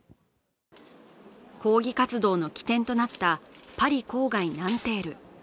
抗議活動の起点となったパリ郊外ナンテール。